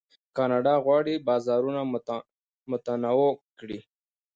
کاناډا غواړي بازارونه متنوع کړي.